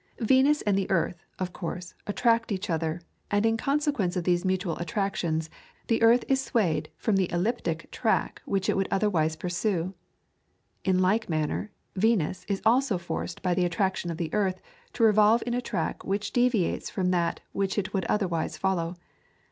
Venus and the earth, of course, attract each other, and in consequence of these mutual attractions the earth is swayed from the elliptic track which it would otherwise pursue. In like manner Venus is also forced by the attraction of the earth to revolve in a track which deviates from that which it would otherwise follow.